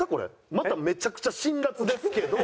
まためちゃくちゃ辛辣ですけど。